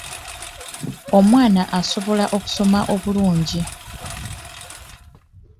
Omwana asobola okusoma obulungi.